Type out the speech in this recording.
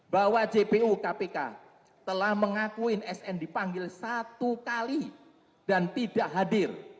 bahwa jpu kpk telah mengakuin sn dipanggil satu kali dan tidak hadir